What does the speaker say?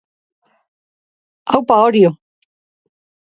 Aupa Orio